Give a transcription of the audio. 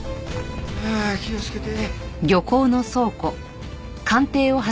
ああ気をつけて。